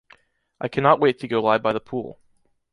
I cannot wait to go lie by the pool.